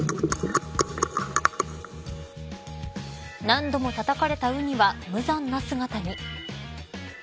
何度もたたかれたウニは無残な姿に。